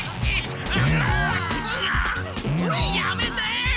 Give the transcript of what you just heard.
やめて！